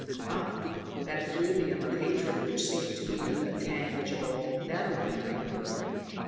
Ah! that effluvium of hatred which seemed to weave a tangible net around him!